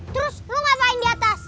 terus lu ngapain diatas